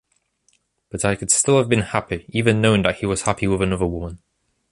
But I could still have been happy, even knowing that he was happy with another woman.